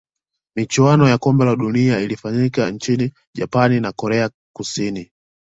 michuano ya kombe la dunia ilifanyika nchini japan na korea kusini